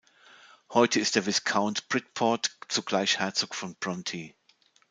Heute ist der Viscount Bridport zugleich Herzog von Bronte.